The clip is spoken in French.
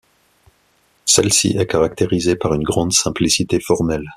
Celle-ci est caractérisée par une grande simplicité formelle.